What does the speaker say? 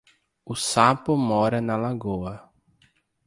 O sapo mora na lagoa.